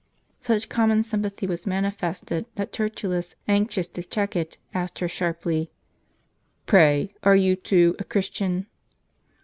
Such common sympathy was manifested that Tertullus, anxious to check it, asked her sharply : "Pray, are you, too, a Christian?"